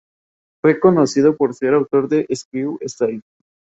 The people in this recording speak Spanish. Fue conocido por ser autor de ""Screw Style"".